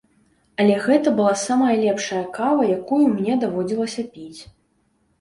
Але гэта была самая лепшая кава, якую мне даводзілася піць.